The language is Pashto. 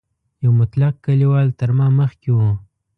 یو مطلق کلیوال تر ما مخکې و.